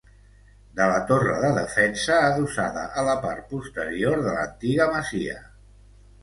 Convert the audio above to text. De la torre de defensa adossada a la part posterior de l'antiga masia.